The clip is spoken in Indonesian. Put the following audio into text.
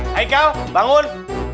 hai kau bangun